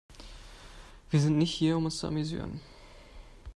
Wir sind nicht hier, um uns zu amüsieren.